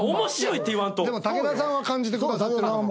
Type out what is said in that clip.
でも武田さんは感じてくださってるかも。